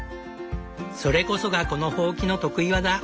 それこそがこのホウキの得意技。